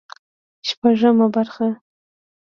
شپږمه برخه